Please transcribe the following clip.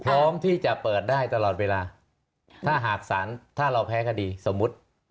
พร้อมที่จะเปิดได้ตลอดเวลาถ้าหากสารถ้าเราแพ้คดีสมมุติ